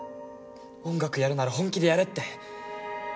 音楽やるなら本気でやれって。